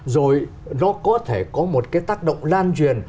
rồi nó có thể có một cái tác động lan truyền